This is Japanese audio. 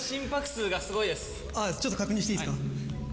ちょっと確認していいですか。